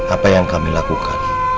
apa yang kami lakukan